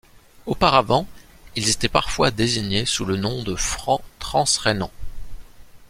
Auparavant, ils étaient parfois désignés sous le nom de Francs transrhénans.